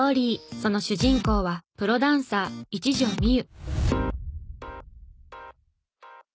その主人公はプロダンサー一条未悠。